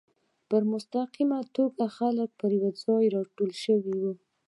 په مستقیمه توګه خلک پر یو ځای راټول شي.